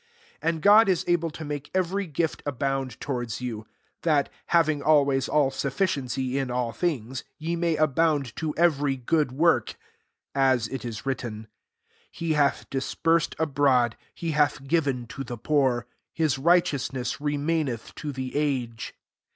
B And God m able to make every gift abound towards you ; that, having always all sufficiency in all things, ye may abound to every good work: 9 (as it Is written, <<He hath diq>eited abroad ; he hath given to fte poor: his righteousness re maineth to the age.